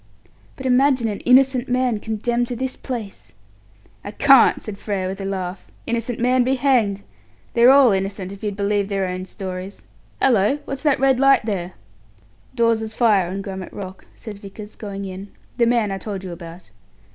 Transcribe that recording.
"But imagine an innocent man condemned to this place!" "I can't," said Frere, with a laugh. "Innocent man be hanged! They're all innocent, if you'd believe their own stories. Hallo! what's that red light there?" "Dawes's fire, on Grummet Rock," says Vickers, going in; "the man I told you about.